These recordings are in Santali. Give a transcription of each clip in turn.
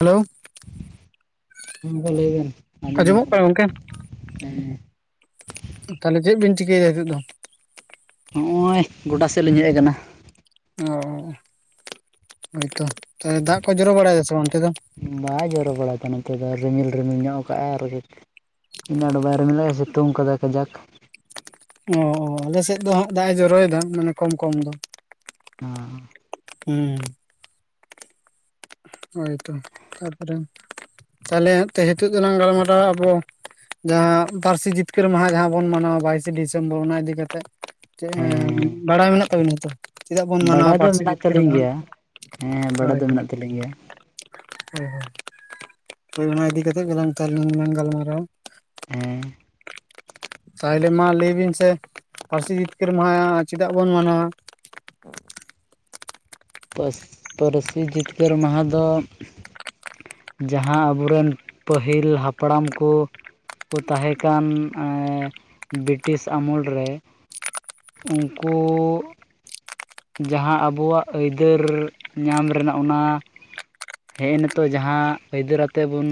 ᱦᱮᱞᱳ [inaudible] ᱞᱟᱹᱭ ᱵᱮᱱ ᱟᱡᱚᱢ ᱟᱹᱞ ᱟᱸᱡᱚᱢᱚᱜ ᱠᱟᱱᱟ ᱧᱟᱢᱚᱜ ᱜᱚᱝᱠᱮ? ᱠᱟᱱᱟ ᱦᱮᱸ ᱛᱟᱦᱚᱞᱮ ᱪᱮᱫ ᱵᱤᱱ ᱪᱤᱠᱟᱹᱭᱮᱫᱟ ᱱᱤᱛᱳᱜ ᱫᱚ? ᱱᱚᱜᱼᱚᱭ ᱜᱚᱰᱟ ᱥᱮᱫ ᱞᱤᱧ ᱦᱮᱡ ᱟᱠᱟᱱᱟ᱾ ᱚ ᱦᱳᱭᱛᱚ ᱛᱟᱦᱮ ᱫᱟᱜ ᱠᱚ ᱡᱚᱨᱚ ᱵᱟᱲᱟᱭᱟ ᱥᱮ ᱵᱟᱝ ᱚᱱᱛᱮᱮᱫ ᱫᱚ ᱵᱟᱭ ᱡᱚᱨᱚ ᱵᱟᱲᱟᱭ ᱠᱟᱜ ᱱᱚᱛᱮ ᱫᱚ ᱨᱤᱢᱤᱞ ᱨᱤᱢᱤᱞ ᱧᱚᱜ ᱠᱟᱜ ᱟᱭᱟᱭ ᱟᱨᱠᱤ ᱤᱧᱹ ᱟ ᱰ ᱵᱟᱭ ᱨᱮ ᱢᱮ [unintelligible] ᱥᱤᱛᱩᱝ ᱠᱟᱫᱟᱭ ᱠᱟᱡᱟᱠ ᱚ ᱚ ᱟᱞᱮᱥᱮᱫ ᱫᱚ ᱦᱟᱜ ᱫᱟᱜ ᱮ ᱡᱚᱨᱚᱭᱮᱫᱟ ᱢᱟᱱᱮ ᱠᱚᱢ ᱠᱚᱢ ᱫᱚ ᱦᱩᱸ ᱦᱩᱸ ᱦᱳᱭᱛᱚ ᱛᱟᱨᱯᱚᱨᱮ ᱛᱟᱦᱚᱞᱮ [inaudible] ᱱᱤᱛᱚᱜ ᱫᱚᱞᱟᱝ ᱜᱟᱞᱢᱟᱨᱟᱣ ᱟᱵᱚ ᱡᱟᱦᱟᱸ ᱯᱟᱹᱨᱥᱤ ᱡᱤᱛᱠᱟᱹᱨ ᱢᱟᱦᱟ ᱡᱟᱦᱟᱸ ᱵᱚᱱ ᱢᱟᱱᱟᱣ-ᱟ ᱵᱟᱭᱤᱥᱮ ᱰᱤᱥᱮᱢᱵᱚᱨ ᱚᱱᱟ ᱤᱫᱤ ᱠᱟᱛᱮᱜ᱾ ᱪᱮᱫ ᱮᱸ ᱦᱮᱸ ᱵᱟᱲᱟᱭ ᱢᱮᱱᱟᱜ ᱛᱟᱵᱤᱱᱟ ᱛᱚ? ᱪᱮᱫᱟᱜ ᱵᱚᱱ ᱢᱟᱱᱟᱶᱟ ᱵᱟᱰᱟᱭ ᱫᱚ ᱯᱟᱹᱨᱥᱤ ᱢᱮᱱᱟᱜ ᱡᱤᱛᱠᱟᱹᱨᱢᱟᱦᱟᱸ? ᱦᱳᱭ ᱦᱳᱭ ᱟᱹᱞᱤᱧ ᱜᱮᱭᱟ. ᱦᱮᱸ ᱦᱮᱸ ᱦᱳᱭ ᱚᱱᱟ ᱤᱫᱤ ᱠᱟᱛᱮᱜ ᱜᱮᱞᱟᱝ ᱜᱟᱞᱢᱟᱨᱟᱣ-ᱟ᱾ ᱦᱮᱸᱻ ᱛᱟᱦᱚᱞᱮ ᱢᱟ ᱞᱟᱹᱭ ᱵᱤᱱ ᱥᱮ ᱯᱟᱹᱨᱥᱤ ᱡᱤᱛᱠᱟᱹᱨ ᱢᱟᱦᱟ ᱪᱮᱫᱟᱜ ᱵᱚᱱ ᱢᱟᱱᱟᱶᱟ? ᱯᱟᱹᱥ ᱯᱟᱹᱨᱥᱤ ᱡᱤᱛᱠᱟᱹᱨ ᱢᱟᱦᱟ ᱫᱚ ᱡᱟᱦᱟᱸ ᱟᱵᱚᱨᱮᱱ ᱯᱟᱹᱦᱤᱞ ᱦᱟᱯᱲᱟᱢ ᱠᱚ ᱠᱚ ᱛᱟᱦᱮᱸᱠᱟᱱ ᱮᱸ ᱵᱨᱤᱴᱤᱥ ᱟᱢᱩᱞ ᱨᱮ ᱩᱱᱠᱩ ᱡᱟᱦᱟᱸ ᱟᱵᱚᱣᱟᱜ ᱟᱹᱭᱫᱟᱹᱨ ᱧᱟᱢ ᱨᱮᱱᱟᱜ ᱚᱱᱟ ᱦᱮᱜᱸ ᱮᱱ ᱱᱤᱛᱚᱜ ᱡᱟᱦᱟᱸ ᱟᱹᱭᱫᱟᱹᱨ ᱟᱛᱮᱫ ᱵᱚᱱ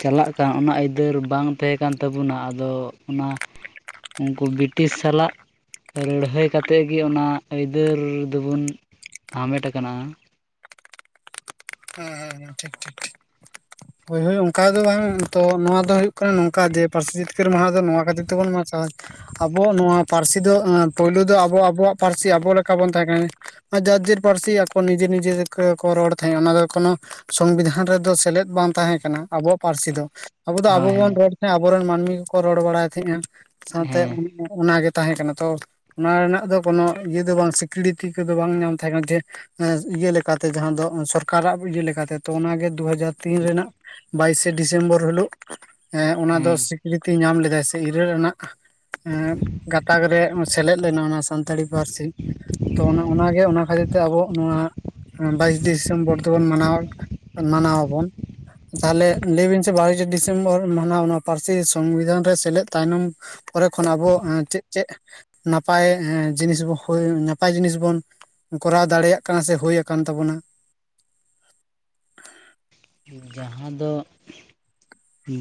ᱪᱟᱞᱟᱜ ᱠᱟᱱ ᱚᱱᱟ ᱟᱹᱭᱫᱟᱹᱨ ᱵᱟᱝ ᱛᱟᱦᱮᱸ ᱠᱟᱱ ᱛᱟᱵᱚᱱᱟ ᱟᱫᱚ ᱚᱱᱟ ᱩᱱᱠᱩ ᱵᱨᱤᱴᱤᱥ ᱥᱟᱞᱟᱜ ᱞᱟᱹᱲᱦᱟᱹᱭ ᱠᱟᱛᱮᱫ ᱜᱮ ᱚᱱᱟ ᱟᱹᱭᱫᱟᱹᱨ ᱫᱚᱵᱚᱱ ᱦᱟᱢᱮᱴ ᱟᱠᱟᱱᱟ ᱦᱮᱸ ᱦᱮᱸ ᱦᱮᱸ ᱴᱷᱤᱠ ᱴᱷᱤᱠ ᱴᱷᱤᱠ [unintelligible] ᱚᱱᱠᱟ ᱫᱚ ᱵᱟᱝ ᱛᱚ ᱱᱚᱣᱟ ᱫᱚ ᱦᱩᱭᱩᱜ ᱠᱟᱱᱟ ᱱᱚᱝᱠᱟ ᱜᱮ ᱯᱟᱹᱨᱥᱤ ᱡᱤᱛᱠᱟᱹᱨ ᱢᱟᱦᱟ ᱫᱚ ᱱᱚᱣᱟ ᱠᱷᱟᱹᱛᱤᱨ ᱛᱮᱵᱚᱱ᱾ [unintelligible] ᱟᱵᱚ ᱟᱜ ᱱᱚᱶᱟ ᱯᱟᱹᱨᱥᱤ ᱫᱚ ᱮ ᱯᱳᱭᱞᱳ ᱫᱚ ᱟᱵᱚ ᱟᱵᱚᱣᱟᱜ ᱯᱟᱹᱨᱥᱤ ᱟᱵᱚ ᱞᱮᱠᱟ ᱵᱚᱱ ᱛᱟᱦᱮᱸ ᱠᱟᱱᱟ᱾ ᱡᱟᱡᱤᱨ ᱯᱟᱹᱨᱥᱤ ᱟᱠᱚ ᱱᱤᱡᱮ ᱱᱤᱡᱮ ᱜᱮ [unintelligible] ᱠᱚ ᱨᱚᱲ ᱛᱟᱦᱮᱸᱫ ᱚᱱᱟ ᱫᱚ ᱠᱟᱱᱟ ᱥᱚᱝᱵᱤᱫᱷᱟᱱ ᱨᱮᱫᱚ ᱥᱮᱞᱮᱫ ᱵᱟᱝ ᱛᱟᱦᱮᱸ ᱠᱟᱱᱟ᱾ ᱟᱵᱚᱣᱟᱜ ᱯᱟᱹᱨᱥᱤ ᱫᱚ ᱟᱵᱚ ᱫᱚ ᱟᱵᱚ ᱦᱳᱭ ᱦᱮᱸ ᱵᱚᱱ ᱨᱚᱲ ᱛᱟᱦᱮᱸ ᱟᱵᱚᱮᱱ ᱢᱟᱹᱱᱢᱤ ᱠᱚᱠᱚ ᱨᱚᱲ ᱵᱟᱲᱟᱭ ᱛᱟᱦᱮᱸ᱾ ᱥᱟᱶᱛᱮ [unintelligible] ᱚᱱᱟᱜᱮ ᱛᱟᱦᱮᱸ ᱠᱟᱱᱟ ᱛᱚ ᱱᱚᱶᱟ ᱨᱮᱱᱟᱜ ᱫᱚ ᱠᱳᱱᱳ ᱤᱭᱟᱹ ᱫᱚ ᱵᱟᱝ ᱥᱤᱠᱲᱤᱛᱤ ᱠᱚᱫᱚ ᱵᱟᱝ ᱧᱟᱢ ᱛᱟᱦᱮᱸ [unintelligible] ᱮ ᱤᱭᱟᱹ ᱞᱮᱠᱟᱛᱮ ᱡᱟᱦᱟᱸ ᱫᱚ ᱥᱚᱨᱠᱟᱨᱟᱜ ᱤᱭᱟᱹ ᱞᱮᱠᱟᱛᱮ ᱛᱚ ᱚᱱᱟᱜᱮ ᱫᱩ ᱦᱟᱡᱟᱨ ᱛᱤᱱ ᱨᱮᱱᱟᱜ ᱵᱟᱭᱤᱥᱮ ᱰᱤᱥᱮᱢᱵᱚᱨ ᱦᱤᱞᱳᱜ ᱮ ᱚᱱᱟ ᱫᱚ ᱦᱮᱸ ᱥᱤᱠᱨᱤᱛᱤ ᱧᱟᱢ ᱞᱮᱫᱟᱭ [unintelligible] ᱤᱨᱟᱹᱞ ᱨᱮᱱᱟᱜ ᱮ ᱜᱟᱛᱟᱠ ᱨᱮ ᱥᱮᱞᱮᱫ ᱞᱮᱱᱟ ᱚᱱᱟ ᱥᱟᱱᱛᱟᱲᱤ ᱯᱟᱹᱨᱥᱤ᱾ ᱛᱚ ᱚᱱᱮ ᱦᱮᱸ ᱚᱱᱟᱜᱮ ᱚᱱᱟ ᱠᱷᱟᱹᱛᱤᱨ ᱛᱮ ᱟᱵᱚ ᱱᱚᱣᱟ ᱵᱟᱭᱤᱥ ᱰᱤᱥᱮᱢᱵᱚᱨ ᱫᱚ ᱵᱚᱱ ᱢᱟᱱᱟᱣᱟ [unintelligible] ᱢᱟᱱᱟᱣ ᱟᱵᱚᱱ᱾ ᱛᱟᱦᱚᱞᱮ ᱞᱟᱹᱭ ᱵᱤᱱ ᱥᱮ ᱵᱟᱭᱤᱥᱮ ᱰᱤᱥᱮᱢᱵᱚᱨ ᱢᱟᱱᱟᱣ ᱚᱱᱟ ᱯᱟᱹᱨᱥᱤ ᱥᱚᱝᱵᱤᱫᱷᱟᱱ ᱨᱮ ᱥᱮᱞᱮᱫ ᱛᱟᱭᱱᱚᱢ ᱯᱚᱨᱮ ᱠᱷᱚᱱ ᱟᱵᱚ ᱮ ᱪᱮᱫ ᱪᱮᱫ ᱱᱟᱯᱟᱭ ᱮ ᱡᱤᱱᱤᱥ [unintelligible] ᱱᱟᱯᱟᱭ ᱡᱤᱱᱤᱥ ᱵᱚᱱ? ᱠᱚᱨᱟᱣ ᱫᱟᱲᱮᱭᱟᱜ ᱠᱟᱱᱟ ᱥᱮ ᱦᱩᱭ ᱟᱠᱟᱱ ᱛᱟᱵᱚᱱᱟ᱾ ᱡᱟᱦᱟᱸ ᱫᱚ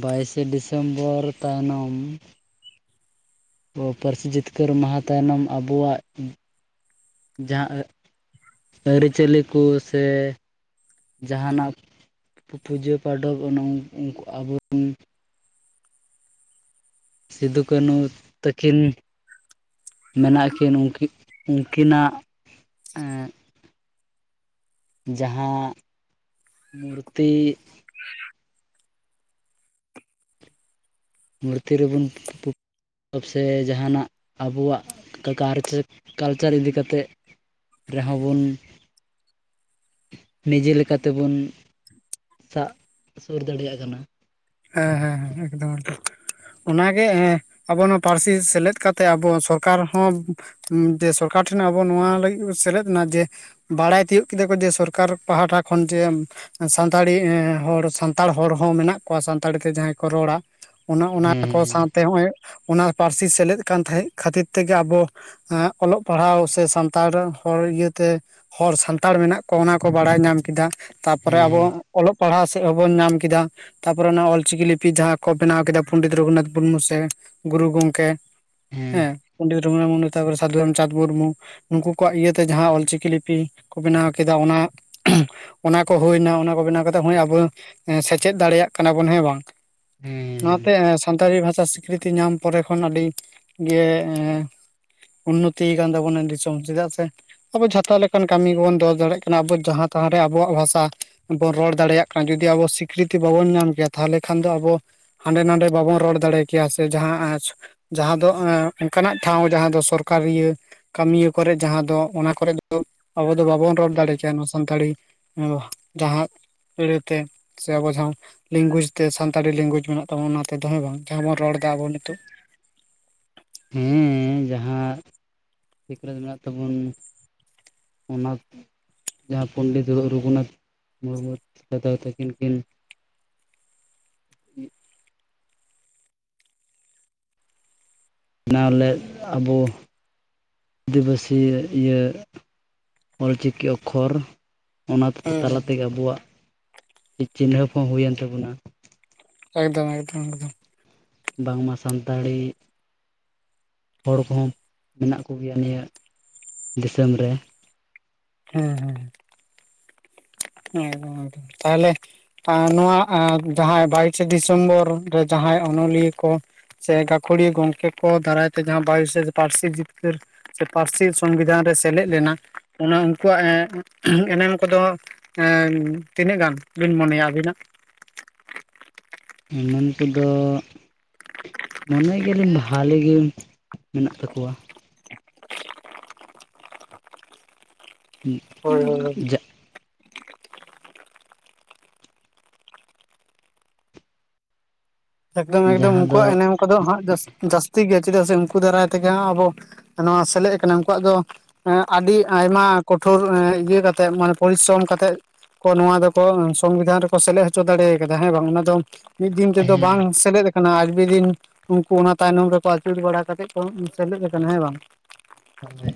ᱵᱟᱭᱤᱥᱮ ᱰᱤᱥᱮᱢᱵᱚᱨ ᱛᱟᱭᱱᱚᱢ ᱯᱟᱹᱨᱥᱤ ᱡᱤᱛᱠᱟᱹᱨ ᱢᱟᱦᱟ ᱛᱟᱭᱱᱚᱢ ᱟᱵᱚᱣᱟᱜ [inaudible] ᱡᱟᱦᱟᱸ [unintelligible] ᱟᱹᱨᱤᱪᱟᱹᱞᱤ ᱠᱚ ᱥᱮ ᱡᱟᱦᱟᱱᱟᱜ ᱯᱩᱡᱟᱹ [unintelligible] ᱟᱵᱚ ᱵᱚᱱ ᱥᱤᱫᱩ ᱠᱟᱹᱱᱩ ᱛᱟᱹᱠᱤᱱ ᱢᱮᱱᱟᱜ ᱠᱤᱱ ᱩᱱᱠᱤᱱ [inaudible] ᱩᱱᱠᱤᱱᱟᱜ ᱮ ᱡᱟᱦᱟᱸ ᱢᱩᱨᱛᱤ ᱢᱩᱨᱛᱤ ᱨᱮᱵᱚᱱ [unintelligible] ᱯᱟᱥᱮ ᱡᱟᱦᱟᱱᱟᱜ ᱟᱵᱚ ᱟᱵᱚᱣᱟᱜ ᱠᱟᱨᱪ [inaudible] ᱠᱟᱞᱪᱟᱨ ᱤᱫᱤ ᱠᱟᱛᱮ ᱨᱮᱦᱚᱸ ᱵᱚᱱ ᱱᱤᱡᱮ ᱞᱮᱠᱟ ᱛᱮᱵᱚᱱ ᱥᱟᱵ ᱥᱩᱨ ᱫᱟᱲᱮᱭᱟᱜ ᱠᱟᱱᱟ᱾ ᱦᱮᱸ ᱦᱮᱸ ᱦᱮᱸ ᱮᱠᱫᱚᱢ [unintelligible] ᱚᱱᱟᱜᱮ ᱮ ᱟᱵᱚ ᱱᱚᱣᱟ ᱯᱟᱹᱨᱥᱤ ᱥᱮᱞᱮᱫ ᱠᱟᱛᱮᱜ ᱟᱵᱚ ᱥᱚᱨᱠᱟᱨ ᱦᱚᱸ ᱮᱢ ᱡᱮ ᱥᱚᱨᱠᱟᱨ ᱴᱷᱮᱱ ᱟᱵᱚ ᱱᱚᱶᱟ ᱞᱟᱹᱜᱤᱫ ᱵᱚᱱ ᱥᱮᱞᱮᱫᱱᱟ ᱡᱮ ᱵᱟᱲᱟᱭ ᱛᱤᱭᱳᱜ ᱠᱮᱫᱟ ᱠᱚ ᱡᱮ ᱥᱚᱨᱠᱟᱨ ᱯᱟᱦᱴᱟ ᱠᱷᱚᱱ ᱡᱮ ᱥᱟᱱᱛᱟᱲᱤ ᱮ ᱮ ᱦᱚᱲ ᱥᱟᱱᱛᱟᱲ ᱦᱚᱲ ᱦᱚᱸ ᱢᱮᱱᱟᱜ ᱠᱚᱣᱟ ᱥᱟᱱᱛᱟᱲᱤ ᱛᱮ ᱡᱟᱦᱟᱸᱭ ᱠᱚ ᱨᱚᱲᱟ᱾ ᱚᱱᱟ ᱚᱱᱟ ᱠᱚ ᱦᱮᱸ ᱥᱟᱶᱛᱮ ᱦᱚᱜᱼᱚᱭ ᱚᱱᱟ ᱯᱟᱹᱨᱥᱤ ᱥᱮᱞᱮᱫ ᱠᱟᱱ ᱛᱟᱦᱮᱸ ᱠᱷᱟᱹᱛᱤᱨ ᱛᱮᱜᱮ ᱟᱵᱚ ᱮ ᱚᱞᱚᱜ ᱯᱟᱲᱦᱟᱣ ᱥᱮ ᱥᱟᱱᱛᱟᱲ ᱦᱚᱲ ᱤᱭᱟᱹᱛᱮ ᱦᱚᱲ ᱥᱟᱱᱛᱟᱲ ᱢᱮᱱᱟᱜ ᱠᱚ ᱚᱱᱟ ᱠᱚ ᱵᱟᱲᱟᱭ ᱧᱟᱢ ᱠᱮᱫᱟ ᱛᱟᱨ ᱯᱚᱨᱮ ᱟᱵᱚ ᱦᱮᱸ ᱚᱞᱚᱜ ᱯᱟᱲᱦᱟᱜ ᱥᱮᱫ ᱦᱚᱸᱵᱚᱱ ᱧᱟᱢ ᱠᱮᱫᱟ ᱛᱟᱨ ᱯᱚᱨᱮ ᱚᱱᱟ ᱚᱞᱪᱤᱠᱤ ᱞᱤᱯᱤ ᱡᱟᱦᱟᱸ ᱠᱚ ᱵᱮᱱᱟᱣ ᱠᱮᱫᱟ ᱯᱚᱱᱰᱤᱛ ᱨᱚᱜᱷᱩᱱᱟᱛᱷ ᱢᱩᱨᱢᱩ ᱥᱮ ᱜᱩᱨᱩ ᱜᱚᱢᱠᱮ ᱦᱮᱸ ᱯᱚᱱᱰᱤᱛ ᱨᱚᱜᱷᱩᱱᱟᱛ ᱢᱩᱨᱢᱩ ᱛᱟᱨᱯᱚᱨᱮ ᱥᱟᱫᱷᱩ ᱨᱟᱢᱪᱟᱸᱫᱽ ᱢᱩᱨᱢᱩ ᱱᱩᱠᱩ ᱠᱚᱣᱟᱜ ᱤᱭᱟᱹᱛᱮ ᱡᱟᱸ ᱚᱞᱪᱤᱠᱤ ᱞᱤᱯᱤ ᱠᱚ ᱵᱮᱱᱟᱣ ᱠᱮᱫᱟ ᱚᱱᱟ ᱚᱱᱟ ᱠᱚ ᱦᱩᱭᱱᱟ ᱚᱱᱟ ᱠᱚ ᱵᱮᱱᱟᱣ ᱠᱟᱛᱮᱜ ᱦᱚᱭ ᱟᱵᱚ ᱮ ᱥᱮᱪᱮᱫ ᱫᱟᱲᱮᱭᱟᱜ ᱠᱟᱱᱟ ᱵᱚᱱ ᱦᱮᱸ ᱵᱟᱝ᱾ ᱦᱮᱸ ᱚᱱᱟᱛᱮ ᱥᱟᱱᱛᱟᱲᱤ ᱵᱷᱟᱥᱟ ᱥᱤᱠᱨᱤᱛᱤ ᱧᱟᱢ ᱯᱚᱨᱮ ᱠᱷᱚᱱ ᱟᱹᱰᱤ ᱜᱮ ᱮ ᱩᱱᱱᱚᱛᱤ ᱟᱠᱟᱱ ᱛᱟᱵᱚᱱᱟ ᱫᱤᱥᱚᱢ ᱪᱮᱫᱟᱜ ᱥᱮ ᱟᱵᱚ ᱡᱷᱚᱛᱚ ᱞᱮᱠᱟᱱ ᱠᱟᱹᱢᱤ ᱜᱮᱵᱚᱱ ᱫᱚᱦᱚ ᱫᱟᱲᱮᱭᱟᱜ ᱠᱟᱱᱟ ᱟᱵᱚ ᱡᱟᱦᱟᱸ ᱛᱟᱸᱦᱟ ᱨᱮ ᱟᱵᱚᱣᱟᱜ ᱵᱷᱟᱥᱟ᱾ ᱵᱚᱱ ᱨᱚᱲ ᱫᱟᱲᱮᱭᱟᱜ ᱠᱟᱱᱟ ᱡᱩᱚᱫᱤ ᱟᱵᱚ ᱥᱤᱠᱨᱤᱛᱤ ᱵᱟᱵᱚᱱ ᱧᱟᱢ ᱠᱮᱭᱟ ᱛᱟᱦᱞᱮ ᱠᱷᱟᱱ ᱫᱚ ᱟᱵᱚ ᱦᱟᱸᱰᱮ ᱱᱟᱰᱮ ᱵᱟᱵᱚᱱ ᱨᱚᱲ ᱫᱟᱲᱮ ᱠᱮᱭᱟ ᱥᱮ ᱡᱟᱦᱟᱸ ᱮ ᱡᱟᱦᱟᱸ ᱫᱚ ᱮ ᱚᱱᱠᱟᱱᱟᱜ ᱴᱷᱟᱶ ᱡᱟᱦᱟᱸ ᱫᱚ ᱥᱚᱨᱠᱟᱨ ᱤᱭᱟᱹ ᱠᱟᱹᱢᱤᱭᱟᱹ ᱠᱚᱨᱮ ᱡᱟᱦᱟᱸ ᱫᱚ ᱚᱱᱟ ᱠᱚᱨᱮ ᱫᱚ ᱟᱵᱚ ᱫᱚ ᱵᱟᱵᱚᱱ ᱨᱚᱲ ᱫᱟᱲᱮ ᱠᱮᱭᱟ ᱱᱚᱶᱟ ᱥᱟᱱᱛᱟᱲᱤ᱾ [unintelligible] ᱡᱟᱦᱟᱸ ᱟᱹᱲᱟᱹᱛᱮ ᱥᱮ ᱟᱵᱚ ᱡᱟᱦᱟᱸ ᱞᱮᱝᱜᱩᱭᱮᱡᱽ ᱛᱮ ᱥᱟᱱᱛᱟᱲᱤ ᱞᱮᱝᱜᱩᱭᱮᱡᱽ ᱢᱮᱱᱟᱜ ᱛᱟᱵᱚ ᱚᱱᱟᱛᱮ ᱫᱚ ᱦᱮᱸ ᱵᱟᱝ ᱡᱟᱦᱟᱸ ᱵᱚᱱ ᱨᱚᱲ ᱮᱫᱟ ᱟᱵᱚ ᱱᱤᱛᱚᱜ᱾ ᱦᱮᱸ ᱡᱟᱦᱟᱸ ᱥᱤᱠᱞᱚᱡᱽ ᱢᱮᱱᱟᱜ ᱛᱟᱵᱚᱱ ᱚᱱᱟ ᱡᱟᱦᱟᱸ ᱯᱚᱱᱰᱤᱛ ᱨᱚᱜᱷᱩᱱᱟᱛᱷ ᱢᱩᱨᱢᱩ ᱦᱟᱛᱟᱣ ᱛᱟᱹᱠᱤᱱ ᱠᱤᱱ ᱵᱮᱱᱟᱣ ᱞᱮᱫ ᱟᱵᱚ ᱟᱹᱫᱤᱵᱟᱹᱥᱤ ᱤᱭᱟᱹ ᱚᱞ ᱪᱤᱠᱤ ᱚᱠᱷᱚᱨ ᱚᱱᱟ ᱦᱩᱸ ᱛᱟᱞᱟ ᱦᱩᱸ ᱛᱮᱜᱮ ᱟᱵᱚᱣᱟᱜ ᱪᱤᱱᱦᱟᱹᱯ ᱦᱚᱸ ᱦᱩᱭᱮᱱ ᱛᱟᱵᱚᱱᱟ ᱮᱠᱫᱚᱢ ᱮᱠᱫᱚᱢ ᱮᱠᱫᱚᱢ ᱵᱟᱝᱢᱟ ᱥᱟᱱᱛᱟᱲᱤ ᱦᱚᱲ ᱠᱚᱦᱚᱸ ᱢᱮᱱᱟᱜ ᱠᱚ ᱜᱮᱭᱟ ᱱᱤᱭᱟᱹ ᱫᱤᱥᱚᱢ ᱨᱮ ᱦᱮᱸ ᱦᱮᱸ ᱮᱠᱫᱚᱢ ᱮᱠᱫᱚᱢ ᱛᱟᱦᱞᱮ ᱱᱚᱣᱟ ᱡᱟᱦᱟ ᱵᱟᱭᱤᱥᱮ ᱰᱤᱥᱮᱢᱵᱚᱨ ᱨᱮ ᱡᱟᱦᱟᱸᱭ ᱚᱱᱚᱞᱤᱭᱟᱹ ᱠᱚ ᱥᱮ ᱜᱟᱹᱠᱷᱩᱲᱤ ᱜᱚᱢᱠᱮ ᱠᱚ ᱫᱟᱨᱟᱭ ᱛᱮ ᱡᱟᱦᱟᱸ ᱵᱟᱭᱤᱥᱮ ᱯᱟᱹᱨᱥᱤ ᱡᱤᱛᱠᱟᱹᱨ ᱥᱮ ᱯᱟᱹᱨᱥᱤ ᱥᱚᱝᱵᱤᱫᱷᱟᱱ ᱨᱮ ᱥᱮᱞᱮᱫ ᱞᱮᱱᱟ ᱚᱱᱟ ᱩᱱᱠᱩᱣᱟᱜ ᱮᱱᱮᱢ ᱠᱚᱫᱚ ᱮ ᱛᱤᱱᱟᱹᱜ ᱜᱟᱱ ᱵᱤᱱ ᱢᱚᱱᱮᱭᱟ ᱟᱵᱤᱱᱟᱜ ᱮᱢᱟᱱ ᱠᱚᱫᱚ ᱢᱚᱱᱮ ᱜᱮᱭᱟᱞᱤᱧ ᱵᱷᱟᱹᱞᱤ ᱜᱮ ᱢᱮᱱᱟᱜ ᱛᱟᱠᱚᱣᱟ ᱦᱩᱸ ᱦᱳᱭ ᱦᱳᱭ ᱮᱠᱫᱚᱢ ᱮᱠᱫᱚᱢ ᱡᱟᱦᱟᱸ ᱫᱚ ᱩᱱᱠᱩᱣᱟᱜ ᱮᱱᱮᱢ ᱠᱚᱫᱚ ᱦᱟᱸᱜ ᱡᱟᱹᱥᱛᱤ ᱜᱮᱭᱟ ᱪᱮᱫᱟᱜ ᱥᱮ ᱩᱱᱠᱩ ᱫᱟᱨᱟᱭ ᱛᱮᱜᱮ ᱦᱟᱸᱜ ᱟᱵᱚᱼᱼ ᱱᱚᱣᱟ ᱥᱮᱞᱮᱫ ᱟᱠᱟᱱᱟ ᱩᱱᱠᱩᱣᱟᱜ ᱫᱚ ᱟᱹᱰᱤ ᱟᱭᱢᱟ ᱠᱚᱴᱷᱨ ᱤᱭᱟᱹ ᱠᱟᱛᱮᱜ ᱢᱟᱱᱮ ᱯᱚᱨᱤᱥᱨᱚᱢ ᱠᱟᱛᱮᱜ ᱱᱚᱣᱟ ᱫᱚᱠᱚ ᱥᱚᱝᱵᱤᱫᱷᱟᱱ ᱨᱮᱠᱚ ᱥᱮᱞᱮᱫ ᱦᱚᱪᱚ ᱫᱟᱲᱮ ᱠᱟᱫᱟ ᱦᱮᱸ ᱵᱟᱝ ᱚᱱᱟ ᱫᱚ ᱢᱤᱫ ᱫᱤᱱ ᱛᱮᱫᱚ ᱦᱮᱸ ᱵᱟᱝ ᱥᱮᱞᱮᱫ ᱠᱟᱱᱟ ᱟᱠᱵᱤ ᱫᱤᱱ ᱩᱱᱠᱩ ᱚᱱᱟ ᱛᱟᱭᱱᱚᱢ ᱨᱮᱠᱚ ᱟᱹᱪᱩᱨ ᱵᱟᱲᱟ ᱠᱟᱛᱮᱫ ᱠᱚ ᱥᱮᱞᱮᱫ ᱠᱟᱱᱟ ᱦᱮᱸ ᱵᱟᱝ ᱦᱳᱭ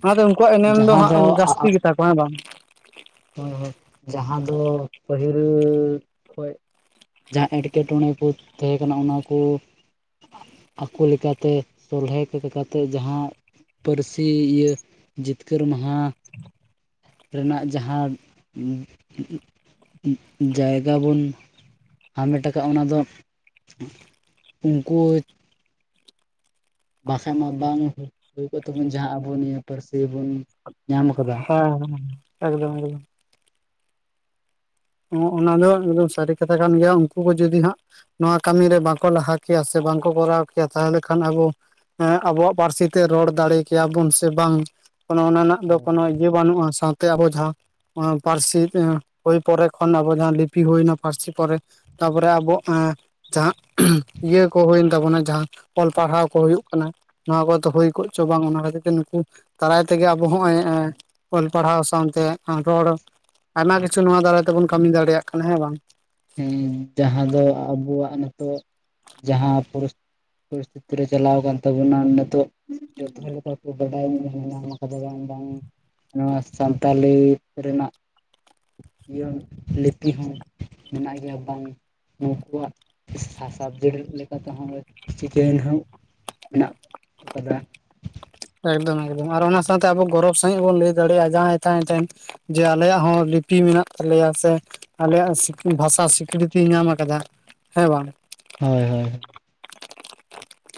ᱚᱱᱟ ᱛᱮ ᱩᱱᱠᱩᱣᱟᱜ ᱮᱱᱮᱢ ᱫᱚ ᱦᱟᱸᱜ ᱡᱟᱹᱥᱛᱤ ᱜᱮᱛᱟ ᱠᱚᱣᱟ ᱵᱟᱝ ᱵᱟᱝ ᱦᱳᱭ ᱦᱳᱭ ᱡᱟᱦᱟᱸ ᱫᱚ ᱯᱟᱹᱦᱤᱞ ᱠᱷᱚᱡ ᱡᱟᱦᱟᱸ ᱮᱸᱴᱠᱮᱴᱚᱬᱮ ᱠᱚ ᱛᱟᱦᱮᱸ ᱠᱟᱱᱟ ᱚᱱᱟ ᱠᱚ ᱟᱠᱚ ᱞᱮᱠᱟᱛᱮ ᱥᱚᱞᱦᱮ ᱠᱟᱛᱮᱫ ᱡᱟᱦᱟᱸ ᱯᱟᱹᱨᱥᱤ ᱤᱭᱟᱹ ᱡᱤᱛᱠᱟᱹᱨ ᱢᱟᱦᱟ ᱨᱮᱱᱟᱜᱼᱼ ᱡᱟᱦᱟᱸ ᱡᱟᱭᱜᱟ ᱵᱚᱱᱼᱼ ᱦᱟᱢᱮᱴ ᱟᱠᱟᱫ ᱟ ᱚᱱᱟ ᱫᱚ ᱩᱱᱠᱩ ᱵᱟᱝ ᱠᱷᱟᱱ ᱢᱟ ᱵᱟᱝ ᱦᱩᱭ ᱠᱚᱜ ᱛᱟᱵᱚᱱ ᱡᱟᱦᱟᱸ ᱟᱵᱚ ᱱᱤᱭᱟᱹ ᱯᱟᱹᱨᱥᱤ ᱵᱚᱱ ᱧᱟᱢ ᱟᱠᱟᱫᱟ ᱦᱮᱸ ᱦᱮᱸ ᱮᱠᱫᱚᱢ ᱮᱠᱫᱚᱢ ᱚᱱᱟ ᱫᱚ ᱮᱠᱫᱚᱢ ᱥᱟᱹᱨᱤ ᱠᱟᱛᱷᱟ ᱠᱟᱱ ᱜᱮᱭᱟ ᱩᱱᱠᱩ ᱠᱚ ᱡᱩᱫᱤ ᱦᱟᱸᱜ ᱱᱚᱣᱟ ᱠᱟᱹᱢᱤᱤᱨᱮ ᱵᱟᱝᱠᱚ ᱞᱟᱦᱟ ᱠᱮᱭᱟ ᱥᱮ ᱵᱟᱝᱠᱚ ᱠᱚᱨᱟᱣ ᱠᱮᱭᱟ ᱛᱟᱦᱚᱞᱮ ᱠᱷᱟᱱ ᱟᱵᱚ ᱟᱵᱚᱣᱟᱜ ᱯᱟᱹᱨᱥᱤ ᱛᱮ ᱨᱚᱲ ᱫᱟᱲᱮ ᱠᱮᱭᱟᱵᱚᱱ ᱥᱮ ᱵᱟᱝ ᱚᱱᱟ ᱚᱱᱟᱜ ᱫᱚ ᱦᱳᱭ ᱠᱳᱱᱚ ᱤᱭᱟᱹ ᱵᱟᱹᱱᱩᱜᱼᱟ ᱥᱟᱶᱛᱮ ᱟᱵᱚ ᱡᱟᱦᱟᱸ ᱯᱟᱹᱨᱥᱤ ᱦᱩᱭ ᱯᱚᱨᱮ ᱠᱷᱚᱱ ᱟᱵᱚ ᱡᱟᱦᱟ ᱞᱤᱯᱤ ᱦᱩᱭᱱᱟ ᱯᱟᱹᱨᱥᱤ ᱯᱚᱨᱮ ᱛᱟᱯᱚᱨᱮ ᱟᱵᱚ ᱮ ᱡᱟᱦᱟᱸ ᱤᱭᱟᱹ ᱠᱚ ᱦᱩᱭᱮᱱ ᱛᱟᱵᱚᱱᱟ ᱡᱟᱦᱟᱸ ᱚᱞ ᱯᱟᱲᱦᱟᱣ ᱠᱚ ᱦᱩᱭᱩᱜ ᱠᱟᱱᱟ ᱱᱚᱣᱟ ᱠᱚᱫᱚ ᱦᱩᱭ ᱠᱚᱜᱪᱚ ᱵᱟᱝ ᱚᱱᱟ ᱠᱷᱟᱹᱛᱤᱨ ᱛᱮ ᱱᱩᱠᱩ ᱫᱟᱨᱟᱭ ᱛᱮᱜᱮ ᱟᱵᱚ ᱦᱚᱸᱜᱼᱚᱭ ᱚᱞ ᱯᱟᱲᱦᱟᱣ ᱥᱟᱶᱛᱮ ᱨᱚᱲ ᱟᱭᱢᱟ ᱠᱤᱪᱷᱩ ᱱᱚᱣᱟ ᱫᱟᱨᱟᱭ ᱛᱮᱵᱚᱱ ᱠᱟᱹᱢᱤ ᱫᱟᱲᱮᱭᱟᱜ ᱠᱟᱱᱟ ᱦᱮᱸ ᱵᱟᱝ ᱦᱮᱸ ᱡᱟᱦᱟᱸ ᱫᱚ ᱟᱵᱚᱣᱟᱜ ᱱᱤᱛᱚᱜ ᱡᱟᱦᱟ [inaudible] ᱟᱛᱳ ᱨᱮ ᱪᱟᱞᱟᱣ ᱟᱠᱟᱱ ᱛᱟᱵᱚᱱᱟ ᱱᱤᱛᱚᱜ ᱡᱚᱛᱚ ᱞᱮᱠᱟ ᱠᱚ ᱵᱟᱰᱟᱭ ᱧᱟᱢ [unintelligible] ᱱᱚᱣᱟ ᱥᱟᱱᱛᱟᱞᱤ ᱨᱮᱱᱟᱜ ᱤᱭᱟ. ᱞᱤᱯᱤ ᱦᱚᱸ ᱢᱮᱱᱟᱜ ᱜᱮᱭᱟ ᱵᱟᱝ ᱱᱩᱠᱩᱣᱟᱜ ᱥᱟ ᱥᱟᱵᱡᱮᱠᱴ ᱞᱮᱠᱟᱛᱮᱦᱚᱸ ᱪᱤᱠᱟᱹᱭ ᱱᱟ ᱦᱟᱜ ᱢᱮᱱᱟᱜ ᱠᱟᱫᱟ ᱮᱠᱫᱚᱢ ᱮᱠᱫᱚᱢ ᱟᱨ ᱚᱱᱟ ᱥᱟᱶᱛᱮ ᱟᱵᱚ ᱜᱚᱨᱚᱵᱽ ᱥᱟᱦᱤᱡ ᱵᱚᱱ ᱞᱟᱹᱭ ᱫᱟᱲᱮᱭᱟᱜᱼᱟ ᱡᱟᱦᱟᱸᱭ ᱛᱟᱦᱟᱭ ᱴᱷᱮᱱ ᱡᱮ ᱟᱞᱮᱭᱟᱜ ᱦᱚᱸ ᱞᱤᱯᱤ ᱢᱮᱱᱟᱜ ᱛᱟᱞᱮᱭᱟ ᱥᱮ ᱟᱞᱮᱭᱟᱜ ᱵᱷᱟᱥᱟ ᱥᱤᱠᱨᱤᱛᱤᱭ ᱧᱟᱢ ᱟᱠᱟᱫᱟ ᱦᱮᱸ ᱵᱟᱝ ᱦᱳᱭ ᱦᱳᱭ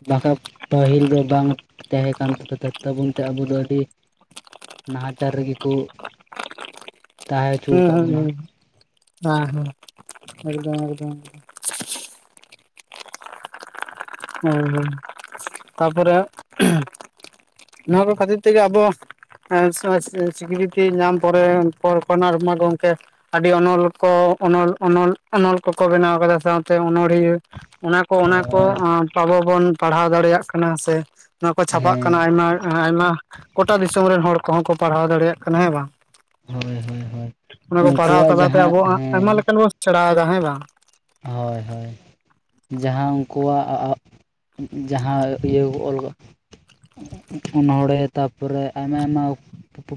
ᱵᱟᱠᱷᱟ ᱯᱟᱹᱦᱤᱞ ᱫᱚ ᱵᱟᱝ ᱛᱟᱦᱮᱸ ᱠᱟᱱ ᱛᱟ ᱛᱟᱵᱚᱱ ᱛᱮ ᱟᱵᱚ ᱫᱚ ᱟᱹᱰᱤ ᱱᱟᱦᱟᱪᱟᱨ ᱨᱮᱜᱮ ᱠᱚ ᱛᱟᱦᱮᱸ ᱦᱚᱪᱚ ᱦᱮᱸ ᱟᱠᱟᱫ ᱦᱩᱸ ᱵᱚᱱᱟ ᱦᱩᱸ ᱦᱮᱸ ᱦᱮᱸ ᱮᱠᱫᱚᱢ ᱮᱠᱫᱚᱢ ᱦᱳᱭ ᱦᱳᱭ ᱛᱟᱨᱯᱚᱨᱮ ᱦᱟᱜ ᱱᱚᱣᱟ ᱠᱚ ᱠᱷᱟᱹᱛᱤᱨ ᱛᱮᱜᱮ ᱟᱵᱚ ᱥᱤᱠᱨᱤᱛᱤ ᱧᱟᱢ ᱯᱚᱨᱮ ᱯᱚᱨ‌ ᱠᱷᱚᱱ ᱟᱭᱢᱟ ᱜᱚᱢᱠᱮ ᱟᱹᱰᱤ ᱚᱱᱚᱞ ᱠᱚ ᱚᱱᱚᱞ ᱚᱱᱚᱞ ᱚᱱᱚᱞ ᱠᱚᱠᱚ ᱵᱮᱱᱟᱣ ᱟᱠᱟᱫᱟ ᱥᱟᱶᱛᱮ ᱚᱱᱚᱲᱦᱤᱭᱟᱹ ᱚᱱᱟ ᱠᱚ ᱚᱱᱟ ᱠᱚ ᱦᱳᱭ ᱟᱵᱚ ᱵᱚᱱ ᱯᱟᱲᱦᱟᱣ ᱫᱟᱲᱮᱭᱟᱜ ᱠᱟᱱᱟ ᱥᱮ ᱱᱚᱣᱟ ᱠᱚ ᱪᱷᱟᱯᱟᱜ ᱠᱟᱱᱟ ᱦᱮᱸ ᱥᱮ ᱟᱭᱢᱟ ᱟᱭᱢᱟ ᱜᱳᱴᱟ ᱫᱤᱥᱚᱢ ᱨᱮᱱ ᱦᱚᱲ ᱠᱚᱦᱚᱸ ᱠᱚ ᱯᱟᱲᱦᱟᱣ ᱫᱟᱲᱮᱭᱟᱜ ᱠᱟᱱᱟ ᱦᱮᱸ ᱵᱟᱝ ᱦᱳᱭ ᱦᱳᱭ ᱦᱳᱭ ᱚᱱᱟ ᱠᱚ ᱯᱟᱲᱦᱟᱣ ᱩᱱᱠᱩᱣᱟᱜ ᱛᱟᱞᱟᱛᱮ ᱡᱟᱦᱟᱸ ᱟᱵᱚᱦᱟᱜ ᱟᱭᱢᱟ ᱦᱮᱸ ᱞᱮᱠᱟᱱ ᱵᱚᱱ ᱥᱮᱬᱟᱭᱫᱟ ᱦᱮᱸ ᱵᱟᱝ ᱦᱳᱭ ᱦᱳᱭ ᱡᱟᱦᱟᱸ ᱩᱱᱠᱩᱣᱟᱜ ᱡᱟᱦᱟᱸ ᱤᱭᱟᱹ ᱚᱞ ᱚᱱᱚᱲᱦᱮ ᱛᱟᱨᱯᱚᱨᱮ ᱟᱭᱢᱟ ᱟᱭᱢᱟ ᱯᱩ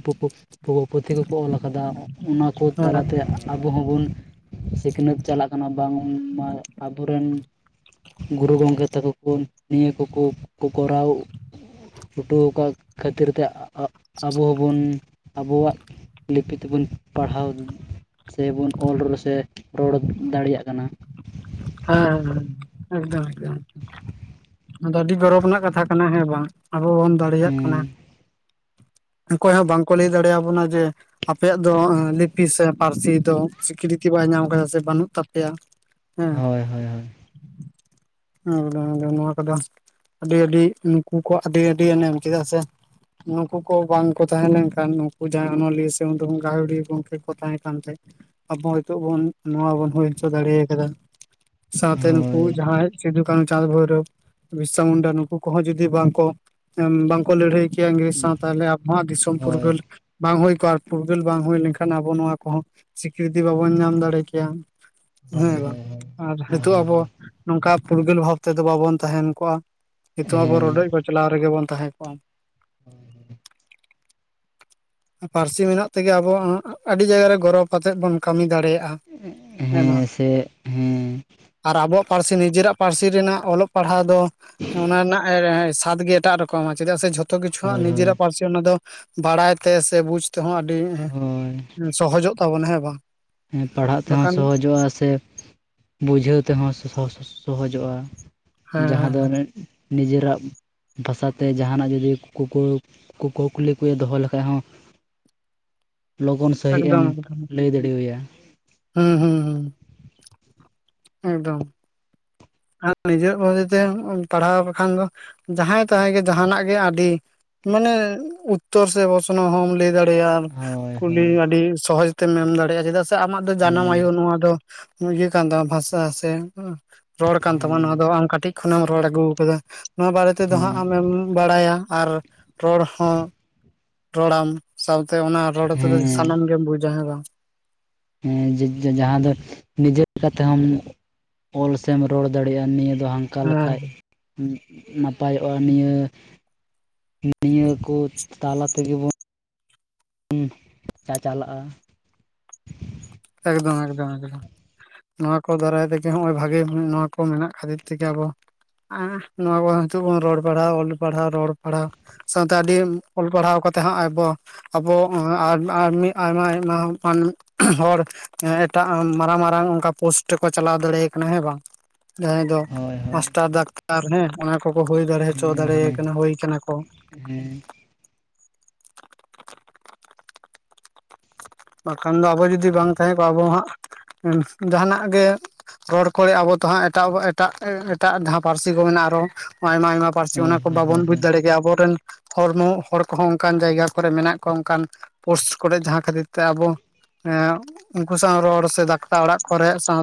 ᱯᱩ ᱯᱩᱛᱷᱤ ᱠᱚᱠᱚ ᱚᱞ ᱟᱠᱟᱫᱟ ᱚᱱᱟ ᱠᱚ ᱦᱮᱸ ᱛᱟᱞᱟᱛᱮ ᱟᱵᱚ ᱦᱚᱸᱵᱚᱱ ᱥᱤᱠᱷᱱᱟᱹᱛ ᱪᱟᱞᱟᱜ ᱠᱟᱱᱟ ᱵᱟᱝᱢᱟ ᱟᱵᱚ ᱨᱮᱱ ᱜᱩᱨᱩ ᱜᱚᱢᱠᱮ ᱛᱟᱠᱚ ᱠᱚ ᱱᱤᱭᱟᱹ ᱠᱚᱠᱚ ᱠᱚᱨᱟᱣ ᱩᱴᱩᱣ ᱟᱠᱟᱫ ᱠᱷᱟᱹᱛᱤᱨ ᱛᱮ ᱟᱜ ᱟᱵᱚ ᱦᱚᱸᱵᱚᱱ ᱟᱵᱚᱣᱟᱜ ᱞᱤᱯᱤ ᱛᱮᱵᱚᱱ ᱯᱟᱲᱦᱟᱣ ᱥᱮᱵᱚᱱ ᱚᱞᱚᱲ ᱥᱮ ᱨᱚᱲ ᱫᱟᱲᱮᱭᱟᱜ ᱠᱟᱱᱟ ᱠᱟᱱᱟ ᱦᱚᱭ ᱦᱚᱭ ᱮᱠᱫᱚᱢ ᱮᱠᱫᱚᱢ ᱟᱫᱚ ᱟᱹᱰᱤ ᱜᱚᱨᱚᱵ ᱨᱮᱱᱟᱜ ᱠᱟᱛᱷᱟ ᱠᱟᱱᱟ ᱦᱮᱸ ᱵᱟᱝ ᱟᱵᱚ ᱵᱚᱱ ᱫᱟᱲᱮᱭᱟᱜ ᱠᱟᱱᱟ ᱦᱮᱸ ᱚᱠᱚᱭ ᱦᱚᱸ ᱵᱟᱝᱠᱚ ᱞᱟᱹᱭ ᱫᱟᱲᱮ ᱟᱵᱚᱱᱟ ᱡᱮ ᱟᱯᱮᱭᱟᱜ ᱫᱚ ᱞᱤᱯᱤ ᱥᱮ ᱯᱟᱹᱨᱥᱤ ᱫᱚ ᱥᱤᱠᱨᱤᱛᱤ ᱵᱟᱭ ᱧᱟᱢ ᱠᱟᱫᱟ ᱥᱮ ᱵᱟᱹᱱᱩᱜ ᱛᱟᱯᱮᱭᱟ᱾ ᱦᱮᱸ ᱦᱳᱭ ᱦᱳᱭ ᱦᱳᱭ [unintelligible] ᱱᱚᱣᱟ ᱠᱚᱫᱚ ᱟᱹᱰᱤ ᱟᱹᱰᱤ ᱱᱩᱠᱩ ᱠᱚ ᱟᱹᱰᱤ ᱟᱹᱰᱤ ᱮᱱᱮᱢ ᱪᱮᱫᱟᱜ ᱥᱮ ᱱᱩᱣᱟ ᱠᱚ ᱠᱚ ᱵᱟᱝ ᱠᱚ ᱛᱟᱦᱮᱸ ᱞᱮᱱᱠᱷᱟᱱ ᱱᱩᱠᱩ ᱡᱟᱸᱦᱟ ᱚᱱᱚᱞᱤᱭᱟᱹ ᱥᱮ ᱜᱟᱹᱦᱩᱲᱤᱭᱟᱹ ᱜᱚᱢᱠᱮ ᱠᱚ ᱛᱟᱦᱮᱸ ᱠᱟᱱ ᱛᱮ ᱟᱵᱚ ᱱᱤᱛᱚᱜ ᱵᱚᱱ ᱱᱚᱣᱟ ᱵᱩᱱ ᱦᱩᱭ ᱦᱚᱪᱚ ᱫᱟᱲᱮ ᱟᱠᱟᱫᱟ ᱥᱟᱶᱛᱮ ᱱᱩᱠᱩ ᱦᱳᱭ ᱡᱟᱦᱟᱸᱭ ᱥᱤᱫᱩ ᱠᱟᱱᱩ ᱪᱟᱸᱫ ᱵᱷᱳᱭᱨᱳᱵᱽ ᱵᱤᱨᱥᱟ ᱢᱩᱱᱰᱟ ᱱᱩᱠᱩ ᱠᱚᱦᱚᱸ ᱡᱩᱫᱤ ᱵᱟᱝᱠᱚ ᱵᱟᱝᱠᱚ ᱞᱟᱹᱲᱦᱟᱹᱭ ᱠᱮᱭᱟ ᱤᱝᱨᱮᱡ ᱥᱟᱶ ᱛᱟᱦᱚᱞᱮ ᱟᱵᱚᱣᱟᱜ ᱫᱤᱥᱚᱢ ᱦᱳᱭ ᱯᱷᱩᱨᱜᱟᱹᱞ ᱵᱟᱝ ᱦᱩᱭ ᱠᱚᱜᱼᱟ ᱯᱷᱩᱨᱜᱟᱹᱞ ᱵᱟᱝ ᱦᱩᱭ ᱞᱮᱱᱠᱷᱟᱱ ᱟᱵᱚ ᱱᱚᱣᱟ ᱠᱚᱦᱚᱸ ᱥᱤᱠᱨᱤᱛᱤ ᱵᱟᱵᱚᱱ ᱧᱟᱢ ᱫᱟᱲᱮ ᱠᱮᱭᱟ ᱦᱳᱭ ᱦᱮᱸ ᱦᱳᱭ ᱵᱟᱝ ᱦᱳᱭ ᱟᱨ ᱱᱤᱛᱚᱜ ᱟᱵᱚ ᱱᱚᱝᱠᱟ ᱯᱷᱩᱨᱜᱟᱹᱞ ᱵᱷᱟᱵᱽ ᱛᱮᱫᱚ ᱵᱟᱵᱚᱱ ᱛᱟᱦᱮᱱ ᱠᱚᱜᱼᱟ ᱱᱤᱛᱚᱜ ᱟᱵᱚ ᱦᱮᱸ ᱨᱚᱰᱚᱚᱡ ᱠᱚᱪᱞᱟᱣ ᱨᱮᱜᱮ ᱵᱚᱱ ᱛᱟᱦᱮᱸ ᱠᱚᱜᱼᱟ ᱦᱮᱸ ᱦᱮᱸ ᱯᱟᱹᱨᱥᱤ ᱢᱮᱱᱟᱜ ᱛᱮᱜᱮ ᱟᱵᱚ ᱟᱹᱰᱤ ᱡᱟᱭᱜᱟ ᱨᱮ ᱜᱚᱨᱚᱵᱽ ᱠᱟᱛᱮᱜ ᱵᱚᱱ ᱠᱟᱹᱢᱤ ᱫᱟᱲᱮᱭᱟᱜᱼᱟ᱾ ᱦᱮᱸ ᱥᱮ ᱦᱮᱸᱻ ᱟᱨ ᱟᱵᱚᱣᱟᱜ ᱯᱟᱹᱨᱥᱤ ᱱᱤᱡᱮᱨᱟᱜ ᱯᱟᱹᱨᱥᱤ ᱨᱮᱱᱟᱜ ᱚᱞᱚᱜ ᱯᱟᱲᱦᱟᱣ ᱫᱚ ᱚᱱᱟ ᱨᱮᱱᱟᱜ ᱥᱟᱫ ᱜᱮ ᱮᱴᱟᱜ ᱨᱚᱠᱚᱢᱟ ᱪᱮᱫᱟᱜ ᱥᱮ ᱡᱷᱚᱛᱚ ᱡᱚᱛᱚ ᱠᱤᱪᱷᱩ ᱦᱳᱭ ᱦᱳᱭ ᱱᱤᱡᱮᱨᱟᱜ ᱯᱟᱹᱨᱥᱤ ᱚᱱᱟ ᱫᱚ ᱵᱟᱲᱟᱭ ᱛᱮ ᱥᱮ ᱵᱩᱡᱽ ᱛᱮᱦᱚᱸ ᱟᱹᱰᱤ ᱦᱳᱭ ᱥᱚᱦᱚᱡᱚᱜ ᱛᱟᱵᱚᱱᱟ ᱦᱮᱸ ᱵᱟᱝ ᱮ ᱯᱟᱲᱦᱟᱜ ᱛᱮᱦᱚᱸ ᱵᱟᱠᱷᱟᱱ ᱥᱚᱦᱚᱡᱚᱜᱼᱟ ᱥᱮ ᱵᱩᱡᱷᱟᱹᱣ ᱛᱮᱦᱚᱸ ᱥᱚᱻᱦᱚ ᱥᱚᱡᱚᱜᱼᱟ ᱦᱮᱸ ᱡᱟᱦᱟᱸ ᱫᱚ ᱦᱮᱸ ᱱᱤᱡᱟᱹᱨᱟᱜ ᱵᱷᱟᱥᱟ ᱛᱮ ᱡᱟᱦᱟᱱᱟᱜ ᱡᱩᱫᱤ ᱠᱩ ᱠᱩ ᱠᱩᱞᱤ ᱠᱚ ᱫᱚᱦᱚᱸ ᱞᱮᱠᱷᱟᱡ ᱦᱚᱸ [inaudible] ᱞᱚᱜᱚᱱ ᱥᱟᱺᱦᱤᱡ ᱮᱢ ᱮᱠᱫᱚᱢ ᱮᱠᱫᱚᱢ ᱞᱟᱹᱭ ᱫᱟᱹᱲᱮᱭᱟ ᱦᱩᱸ ᱦᱩᱸ ᱦᱩᱸ᱾ ᱮᱠᱫᱚᱢ ᱟᱨ ᱱᱤᱡᱮᱨ ᱢᱚᱱᱮ ᱛᱮ ᱯᱟᱲᱦᱟᱣ ᱞᱮᱠᱷᱟᱱ ᱫᱚ ᱡᱟᱦᱟᱸᱭ ᱛᱟᱦᱮᱸ ᱜᱮ ᱡᱟᱦᱟᱱᱟᱜ ᱜᱮ ᱟᱹᱰᱤ ᱢᱟᱱᱮ ᱩᱛᱛᱚᱨ ᱥᱮ ᱵᱚᱥᱱᱚ ᱦᱚᱢ ᱞᱟᱹᱭ ᱫᱟᱲᱮᱭᱟᱜᱼᱟ ᱦᱳᱭ ᱠᱩᱞᱤ ᱦᱳᱭ ᱟᱹᱰᱤ ᱥᱚᱦᱚᱡᱽ ᱛᱮᱢ ᱮᱢ ᱫᱟᱲᱮᱭᱟᱜᱼᱟ ᱪᱮᱫᱟᱜ ᱥᱮ ᱟᱢᱟᱜ ᱫᱚ ᱡᱟᱱᱟᱢ ᱦᱮᱸ ᱟᱭᱳ ᱱᱚᱣᱟ ᱫᱚ ᱤᱭᱟᱹ ᱠᱟᱱ ᱛᱟᱢᱟ ᱵᱷᱟᱥᱟ ᱥᱮ ᱨᱚᱲ ᱠᱟᱱ ᱛᱟᱢᱟ ᱱᱚᱣᱟ ᱦᱮᱸ ᱫᱚ ᱟᱢ ᱠᱟᱹᱴᱤᱡ ᱠᱷᱚᱱᱮᱢ ᱨᱚᱲ ᱟᱹᱜᱩ ᱟᱠᱟᱫᱟ ᱱᱚᱣᱟ ᱵᱟᱨᱮ ᱛᱮᱫᱚ ᱦᱟᱸᱜ ᱦᱮᱸ ᱟᱢᱮᱢ ᱵᱟᱲᱟᱭᱟ ᱟᱨ ᱨᱚᱲ ᱦᱚᱸ ᱨᱚᱲᱟᱢ ᱥᱟᱶᱛᱮ ᱚᱱᱟ ᱨᱚᱲ ᱛᱮᱫᱚ ᱦᱮᱸ ᱥᱟᱱᱟᱢ ᱜᱮᱢ ᱵᱩᱡᱟᱮᱸᱜᱟ ᱡᱟᱦᱟᱸ ᱫᱚ ᱱᱤᱡᱮᱨ ᱛᱮᱦᱚᱢ ᱚᱞ ᱥᱮᱢ ᱨᱚᱲ ᱫᱟᱲᱮᱭᱟᱜᱼᱟ ᱱᱤᱭᱟᱹ ᱫᱚ ᱦᱟᱱᱠᱟ ᱦᱮᱸ ᱞᱮᱠᱷᱟᱡ [unintelligible] ᱱᱟᱯᱟᱭᱚᱜᱼᱟ ᱱᱤᱭᱟᱹ ᱱᱤᱭᱟᱹ ᱠᱚ ᱛᱟᱞᱟ ᱛᱮᱜᱮ ᱵᱚᱱ [unintelligible] ᱪᱟᱪᱟᱞᱟᱜᱼᱟ ᱮᱠᱫᱚᱢ ᱮᱠᱫᱚᱢ ᱮᱠᱫᱚᱢ ᱱᱚᱣᱟ ᱠᱚ ᱫᱟᱨᱟᱭ ᱛᱮᱜᱮ ᱱᱚᱜᱼᱚᱭ ᱵᱷᱟᱜᱮ ᱱᱚᱣᱟ ᱠᱚ ᱢᱮᱱᱟᱜ ᱠᱷᱟᱹᱛᱤᱨ ᱛᱮᱜᱮ ᱟᱵᱚ ᱦᱮᱸ ᱱᱚᱣᱟ ᱠᱚ ᱦᱤᱡᱩᱜ ᱵ ᱨᱚᱲ ᱯᱟᱲᱦᱟᱣ ᱚᱞ ᱯᱟᱲᱦᱟᱣ ᱨᱚᱲ ᱯᱟᱲᱦᱟᱣ ᱥᱟᱶᱛᱮ ᱟᱹᱰᱤ ᱚᱞ ᱯᱟᱲᱦᱟᱣ ᱠᱟᱛᱮᱜ ᱦᱚᱸ ᱟᱵᱚ ᱟᱵᱚ [unintelligible] ᱟᱭᱢᱟ ᱟᱭᱢᱟ ᱦᱚᱲ ᱮᱴᱟᱜ ᱢᱟᱨᱟᱝ ᱢᱟᱨᱟᱝ ᱚᱱᱠᱟ ᱯᱚᱥᱴ ᱨᱮᱠᱚ ᱪᱟᱞᱟᱣ ᱫᱟᱲᱮᱭᱟ ᱠᱟᱱᱟ ᱦᱮᱸ ᱵᱟᱝ ᱡᱟᱦᱟᱸᱭ ᱫᱚ ᱦᱳᱭ ᱦᱳᱭ ᱢᱟᱥᱴᱟᱨ ᱰᱟᱠᱴᱟᱨ ᱦᱮᱸ ᱚᱱᱟ ᱠᱚᱠᱚ ᱦᱩᱭ ᱫᱟᱲᱮ ᱦᱚᱪᱚ ᱦᱮᱸ ᱫᱟᱲᱮᱭᱟ ᱦᱮᱸ ᱠᱟᱱᱟ ᱦᱩᱭ ᱠᱟᱱᱟ ᱠᱚ ᱦᱮᱸ ᱵᱟᱠᱷᱟᱱ ᱫᱚ ᱟᱵᱚ ᱡᱩᱫᱤ ᱵᱟᱝ ᱛᱟᱦᱮᱸ ᱠᱚᱜᱼᱟ ᱟᱵᱚ ᱦᱟᱸᱜ ᱡᱟᱦᱟᱱᱟᱜ ᱜᱮ ᱨᱚᱲ ᱠᱚᱨᱮ ᱟᱵᱚ ᱛ ᱦᱟᱸ ᱮᱴᱟᱜ ᱮᱴᱟᱜ ᱮᱴᱟᱜ ᱡᱟᱦᱟᱸ ᱯᱟᱹᱨᱥᱤ ᱠᱚ ᱢᱮᱱᱟᱜᱼᱟ ᱟᱨᱚ ᱟᱭᱢᱟ ᱟᱭᱢᱟ ᱯᱟᱹᱨᱥᱤ ᱚᱱᱟ ᱦᱳᱭ ᱠᱚ ᱦᱳᱭ ᱵᱟᱵ ᱦᱳᱭ ᱵᱩ ᱦᱳᱭ ᱫᱟᱲᱮ ᱜᱮᱭᱟᱹ ᱟᱵᱚᱨᱮᱱ ᱦᱚᱲᱢᱚ ᱦᱚᱲ ᱠᱚᱦᱚᱸ ᱚᱱᱠᱟᱱ ᱡᱟᱭᱜᱟ ᱠᱚᱨᱮ ᱢᱮᱱᱟᱜ ᱠᱚᱣᱟ ᱚᱱᱠᱟᱱ ᱯᱳᱥᱴ ᱠᱚᱨᱮ ᱡᱟᱦᱟᱸ ᱠᱷᱟᱹᱛᱤᱨ ᱛᱮ ᱛᱮ ᱟᱵᱚ ᱩᱱᱠᱩ ᱥᱟᱶ ᱨᱚᱲ ᱥᱮ ᱰᱟᱠᱴᱟ ᱚᱲᱟᱜ ᱠᱚᱨᱮ ᱥᱟᱶᱛᱮ